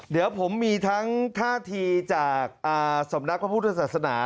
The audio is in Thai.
เดี๋ยวผมมีทั้งท่าทีจากสำนักพระพุทธศาสนา